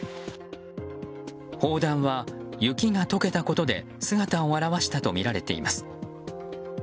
砲弾は、雪が解けたことで姿を現したとみられています。